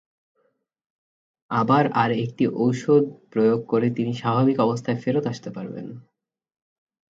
আবার আর একটি ঔষধ প্রয়োগ করে তিনি স্বাভাবিক অবস্থায় ফেরত আসতে পারবেন।